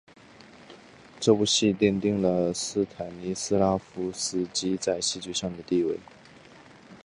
这部戏奠定了斯坦尼斯拉夫斯基在戏剧上的地位。